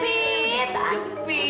iut iutnya kejepit